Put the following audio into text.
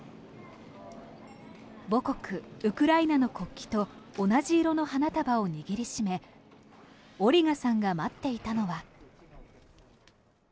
母国ウクライナの国旗と同じ色の花束を握り締めオリガさんが待っていたのは。